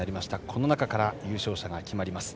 この中から優勝者が決まります。